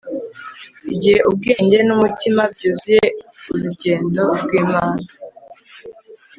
igihe ubwenge n'umutima byuzuy eurukundo rw'imana